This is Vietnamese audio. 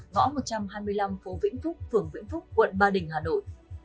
ngõ một trăm hai mươi năm phố vĩnh phúc phường vĩnh phúc quận ba đình hà nội